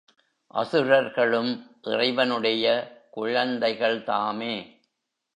அசுரர்களும் இறைவனுடைய குழந்தைகள்தாமே?